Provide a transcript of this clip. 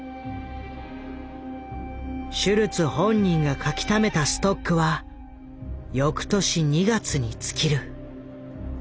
シュルツ本人が描きためたストックは翌年２月に尽きる。